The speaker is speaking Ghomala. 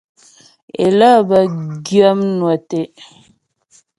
É lə́ bə́ gyə̂ mnwə tɛ́'.